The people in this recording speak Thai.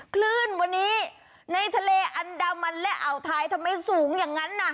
คลื่นวันนี้ในทะเลอันดามันและอ่าวไทยทำไมสูงอย่างนั้นน่ะ